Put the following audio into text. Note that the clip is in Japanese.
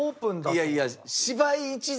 いやいや。